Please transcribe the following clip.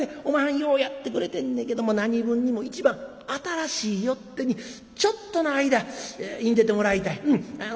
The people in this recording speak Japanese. おまはんようやってくれてんねけども何分にも一番新しいよってにちょっとの間いんでてもらいたい。